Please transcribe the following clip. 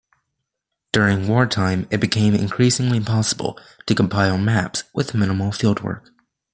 During wartime, it became increasingly possible to compile maps with minimal field work.